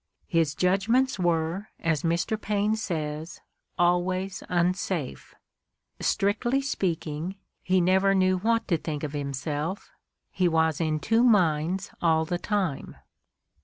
His judgments were, as Mr. Paine says, "always unsafe": strictly speaking, he never knew what to think of himself, he was in two minds all the time.